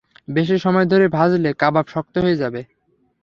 বেশি সময় ধরে ভাঁজলে কাবাব শক্ত হয়ে যাবে।